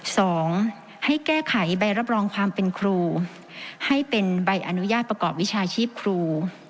สองให้แก้ไขใบรับรองความเป็นครูให้เป็นใบอนุญาตประกอบวิชาชีพครู